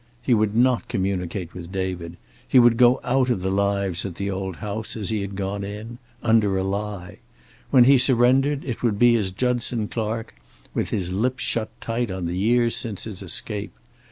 He would not communicate with David. He would go out of the lives at the old house as he had gone in, under a lie. When he surrendered it would be as Judson Clark, with his lips shut tight on the years since his escape.